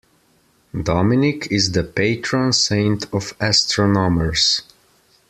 Dominic is the patron saint of astronomers.